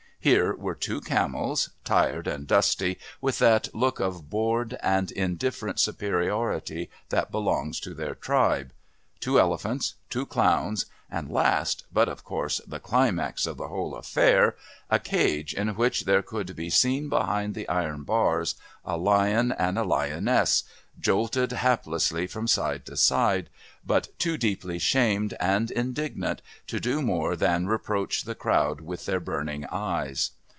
Here were two camels, tired and dusty, with that look of bored and indifferent superiority that belongs to their tribe, two elephants, two clowns, and last, but of course the climax of the whole affair, a cage in which there could be seen behind the iron bars a lion and a lioness, jolted haplessly from side to side, but too deeply shamed and indignant to do more than reproach the crowd with their burning eyes.